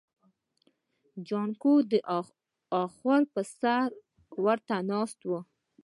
جانکو د اخور پر سر ورته ناست و.